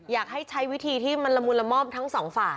อยากให้ใช้วิธีที่มันละมุนละม่อมทั้งสองฝ่าย